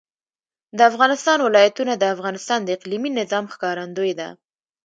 د افغانستان ولايتونه د افغانستان د اقلیمي نظام ښکارندوی ده.